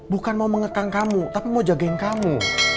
bukan mau mengekang kamu tapi mau jagain kamu